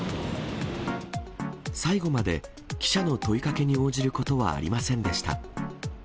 最後まで、記者の問いかけに応じることはありませんでした。